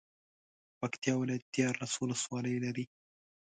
پکتيا ولايت ديارلس ولسوالۍ لري.